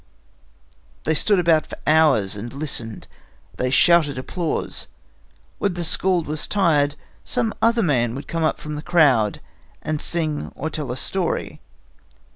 They stood about for hours and listened. They shouted applause. When the skald was tired, some other man would come up from the crowd and sing or tell a story.